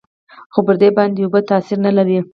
خو پر دې باندې اوبه تاثير نه لري.